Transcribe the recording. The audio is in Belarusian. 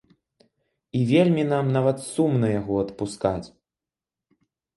І вельмі нам нават сумна яго адпускаць.